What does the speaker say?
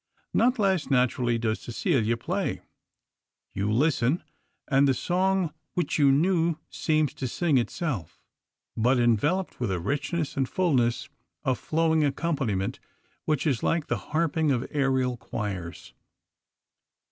Not less naturally does Cecilia play. You listen, and the song which you knew seems to sing itself, but enveloped with a richness and fulness of flowing accompaniment which is like the harping of aerial choirs.